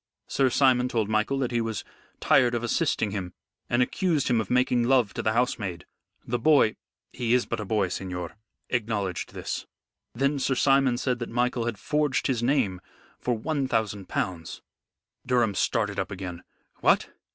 Sir Simon told Michael that he was tired of assisting him, and accused him of making love to the housemaid. The boy he is but a boy, signor acknowledged this. Then Sir Simon said that Michael had forged his name for one thousand pounds." Durham started up again. "What!